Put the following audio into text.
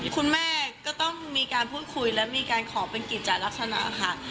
คุณแม่ก็ต้องมีการพูดคุยและมีการขอเป็นกิจจัดลักษณะค่ะ